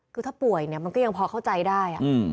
คือถ้าป่วยเนี่ยมันก็ยังพอเข้าใจได้